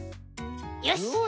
よし。